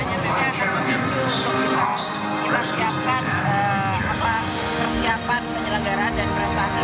karena sebenarnya akan memicu untuk bisa kita siapkan persiapan penyelenggaran dan prestasi